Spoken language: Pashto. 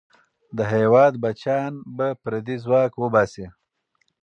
د هېواد بچیان به پردی ځواک وباسي.